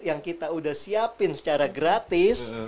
yang kita udah siapin secara gratis